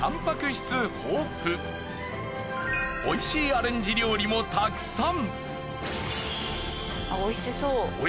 おいしいアレンジ料理もたくさん！